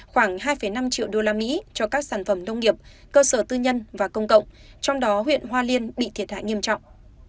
khoảng hai năm triệu usd cho các sản phẩm nông nghiệp cơ sở tư nhân và công cộng trong đó huyện hoa liên bị thiệt hại nghiêm trọng